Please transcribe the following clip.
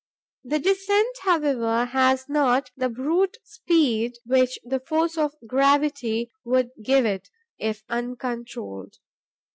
The descent, however, has not the brute speed which the force of gravity would give it, if uncontrolled.